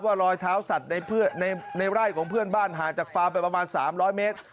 รอยเท้าสัตว์ในไร่ของเพื่อนบ้านห่างจากฟาร์มไปประมาณ๓๐๐เมตร